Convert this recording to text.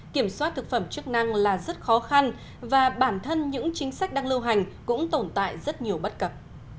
kiểm soát thực phẩm chức năng là rất khó khăn và bản thân những chính sách đang lưu hành cũng tồn tại rất nhiều bất cập